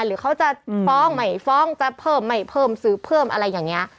หรือเขาจะฟ้องไม่ฟ้องจะเพิ่มไม่เพิ่มสืบเพิ่มอะไรอย่างนี้